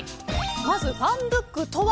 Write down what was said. まず、ファンブックとは。